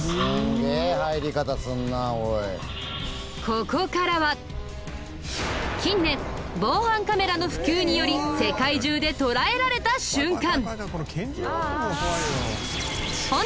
ここからは近年防犯カメラの普及により世界中で捉えられた瞬間！